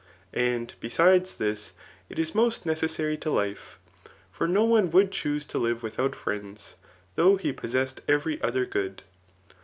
And besides this, it is most neces iary to life ; for no one would choose to live without friends, though he possessed every other good.